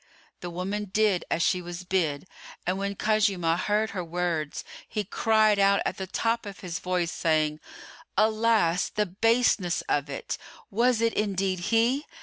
'" The woman did as she was bid, and when Khuzaymah heard her words, he cried out at the top of his voice, saying, "Alas, the baseness of it! Was it indeed he?"